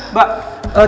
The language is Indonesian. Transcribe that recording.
mbak kita bisa dapatkan